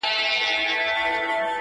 دا دی کومه ده چې غږ مې در رسیږي